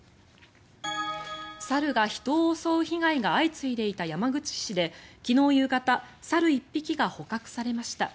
猿が人を襲う被害が相次いでいた山口市で昨日夕方猿１匹が捕獲されました。